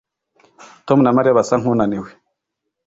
Tom na Mariya basa nkunaniwe